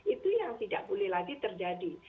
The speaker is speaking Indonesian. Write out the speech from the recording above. itu yang tidak boleh lagi terjadi